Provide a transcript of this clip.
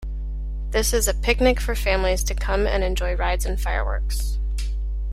This is a picnic for families to come and enjoy rides and fireworks.